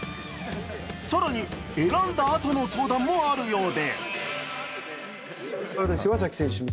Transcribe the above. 更に選んだあとの相談もあるようで。